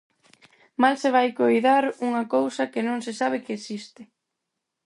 Mal se vai coidar unha cousa que non se sabe que existe.